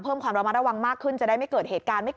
เพิ่มความระวังมากขึ้นจะได้ไม่เกิดเหตุการณ์